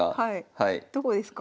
どこですか？